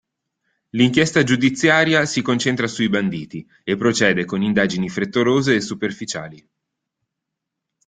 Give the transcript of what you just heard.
L'inchiesta giudiziaria si concentra sui banditi e procede con indagini frettolose e superficiali.